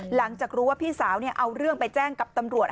หลังจากรู้ว่าพี่สาวเอาเรื่องไปแจ้งกับตำรวจ